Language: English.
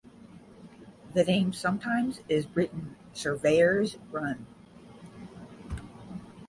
The name sometimes is written "Surveyors Run".